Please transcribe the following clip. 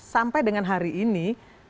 sampai dengan hari ini